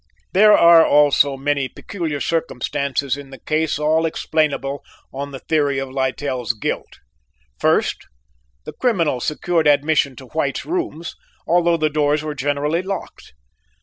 "There are also many peculiar circumstances in the case all explainable on the theory of Littell's guilt: "1st. The criminal secured admission to White's rooms, although the doors were generally locked.